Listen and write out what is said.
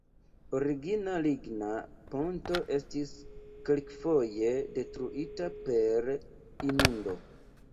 Origina ligna ponto estis kelkfoje detruita per inundo.